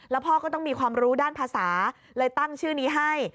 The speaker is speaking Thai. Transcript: แล้วพ่อก็ต้องมีความรู้ด้านภาษาเลยตั้งชื่อนี้ให้